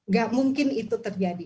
gak mungkin itu terjadi